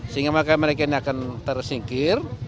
sehingga mereka ini akan tersingkir